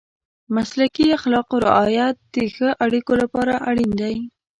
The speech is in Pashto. د مسلکي اخلاقو رعایت د ښه اړیکو لپاره اړین دی.